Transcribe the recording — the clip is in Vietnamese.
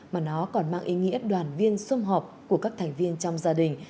mà nó còn mang ý nghĩa đoàn viên xung họp của các thành viên trong gia đình